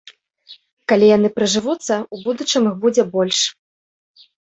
Калі яны прыжывуцца, у будучым іх будзе больш.